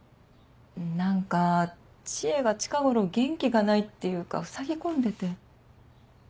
何か知恵が近頃元気がないっていうかふさぎ込んでて。